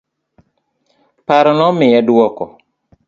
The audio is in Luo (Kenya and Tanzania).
Paro nomiye duoko.